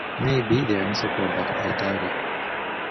Maybe they're inseparable, but I doubt it.